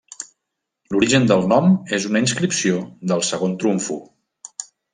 L'origen del nom és una inscripció del segon trumfo.